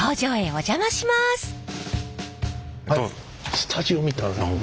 スタジオみたい何か。